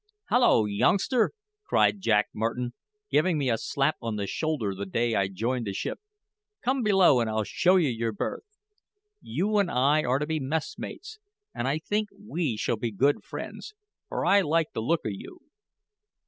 "Hallo, youngster!" cried Jack Martin, giving me a slap on the shoulder the day I joined the ship, "come below and I'll show you your berth. You and I are to be messmates; and I think we shall be good friends, for I like the look o' you."